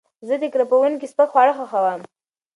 زه د کرپونکي سپک خواړه خوښوم.